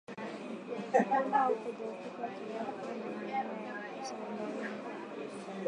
Kukonda au kudhoofika kiafya na manyoya kukosa ulaini